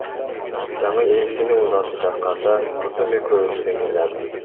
Жаңы ээсине узатып жатканда, кызым экөөбүз тең ыйладык.